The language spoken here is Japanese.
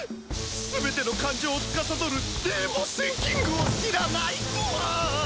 全ての感情を司るデーボ・センキングを知らないとは！